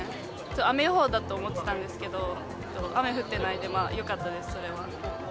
雨予報だと思ってたんですけど、雨降ってないで、まあ、よかったです、それは。